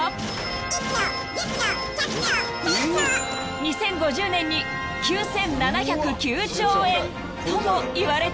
［２０５０年に９，７０９兆円ともいわれている］